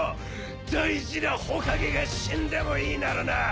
大事な火影が死んでもいいならな！